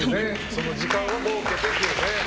その時間を設けてというね。